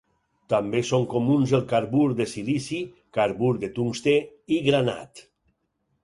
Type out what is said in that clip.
També són comuns el carbur de silici, carbur de tungstè i granat.